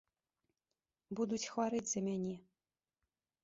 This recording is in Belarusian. Будуць хварэць за мяне.